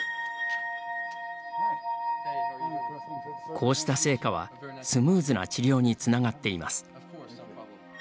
こうした成果は、スムーズな治療につながっています。